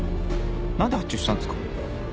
何で発注したんですか？